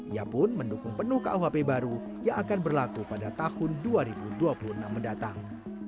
ia pun mendukung penuh kuhp baru yang akan berlaku pada tahun dua ribu dua puluh enam mendatang